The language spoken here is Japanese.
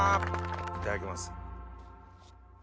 いただきます。